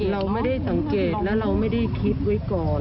เราไม่ได้สังเกตและเราไม่ได้คิดไว้ก่อน